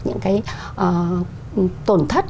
những cái tổn thất